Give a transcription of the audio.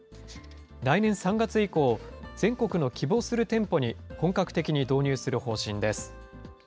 来年３月以降、全国の希望する店舗に、本格的に導入する方針です。